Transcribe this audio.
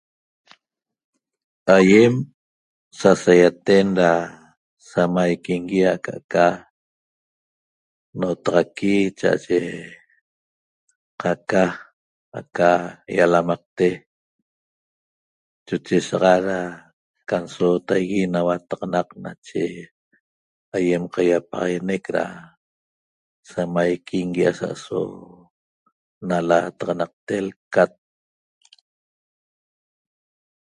Aiem sasayaten da samaqñigueaca ca notaxaqui t chaye ca aca lalamaqte chochesoxa da can sotaa' na huataxanaq nache aiem iapaxagueneq samaqñigue asa so nalataqnaqte